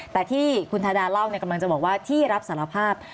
แต่ที่คุณธดาเล่ากำลังจะบอกว่าที่รับสารภาพ